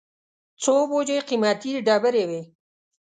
څو بوجۍ قېمتي ډبرې وې.